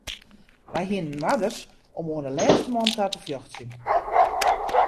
Wy hiene oarders om oan de lêste man ta te fjochtsjen.